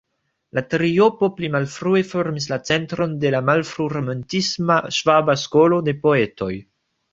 La triopo pli malfrue formis la centron de la malfru-romantisma "Ŝvaba Skolo" de poetoj.